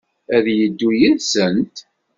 Ad yeddu yid-sent?